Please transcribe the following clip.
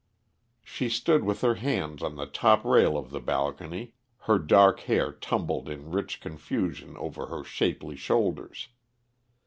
She stood with her hands on the top rail of the balcony, her dark hair tumbled in rich confusion over her shapely shoulders.